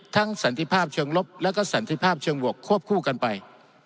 สันติภาพเชิงลบแล้วก็สันติภาพเชิงบวกควบคู่กันไป